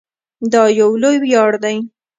دا یو لوی ویاړ دی.